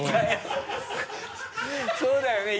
そうだよね